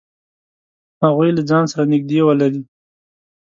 هغوی له ځان سره نږدې ولری.